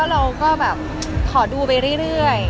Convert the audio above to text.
เราก็แบบขอดูไปเรื่อย